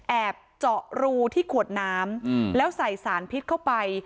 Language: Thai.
แอบเจาะรูที่ขวดน้ำแล้วใส่สารพิษเข้าไป